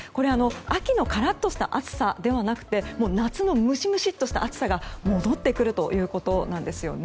秋のカラッとした暑さではなくて夏のムシムシっとした暑さが戻ってくるということですね。